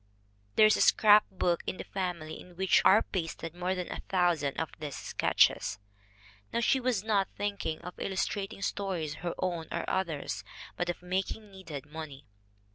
... There is a scrapbook in the family in which are pasted more than 1,000 of these sketches." Now she was not thinking of illustrating stories, her own or others', but of making needed money.